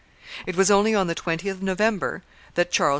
It was only on the 20th of November that Charles V.